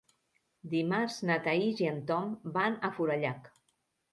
Dimarts na Thaís i en Tom van a Forallac.